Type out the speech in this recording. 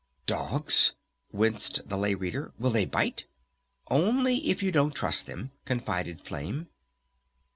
"Dogs?" winced the Lay Reader. "Will they bite?" "Only if you don't trust them," confided Flame.